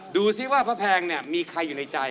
ดูสิว่าพระแพงเนี่ยมีใครอยู่ในใจ